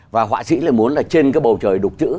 và họa sĩ lại muốn là trên cái bầu trời đục chữ